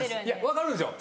分かるんですよ